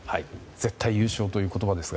絶対優勝という言葉ですが。